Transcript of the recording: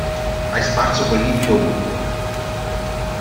Hai sparso quel liquido ovunque!